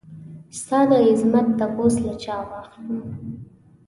ستا دعظمت تپوس له چا واخلم؟